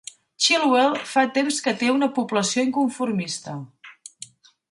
Chilwell fa temps que té una població inconformista.